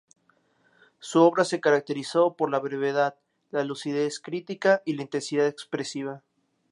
Su obra se caracterizó por la brevedad, la lucidez crítica y la intensidad expresiva.